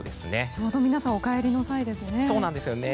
ちょうど皆さんお帰りの時間ですね。